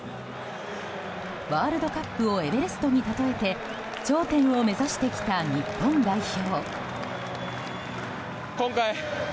ワールドカップをエベレストにたとえて頂点を目指してきた日本代表。